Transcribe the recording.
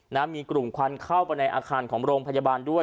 มีกลุ่มควันเข้าไปในอาคารของโรงพยาบาลด้วย